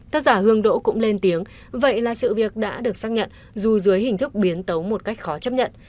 tác giả hương đỗ cũng lên tiếng vậy là sự việc đã được xác nhận dù dưới hình thức biến tấu một cách khó chấp nhận